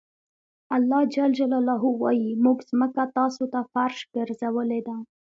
الله ج وایي موږ ځمکه تاسو ته فرش ګرځولې ده.